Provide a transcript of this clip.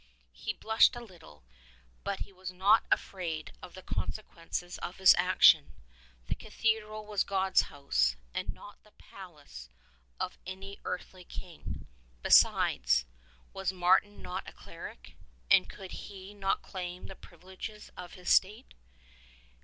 He blushed a little, but he was not afraid of the consequences of his action. The cathedral was God's house, and not the palace of any earthly king. Besides, was Martin not a cleric, and could he not claim the privileges of his state